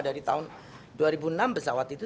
dari tahun dua ribu enam pesawat itu